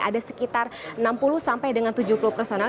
ada sekitar enam puluh sampai dengan tujuh puluh personel